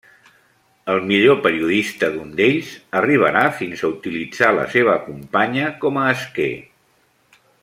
El millor periodista d'un d'ells arribarà fins a utilitzar la seva companya com a esquer.